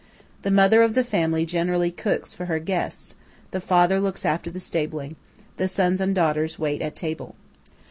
The mother of the family generally cooks for her guests; the father looks after the stabling; the sons and daughters wait at table.